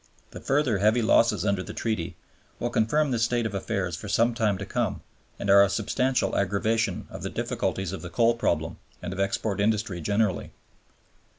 The further heavy losses under the Treaty will confirm this state of affairs for some time to come, and are a substantial aggravation of the difficulties of the coal problem and of export industry generally.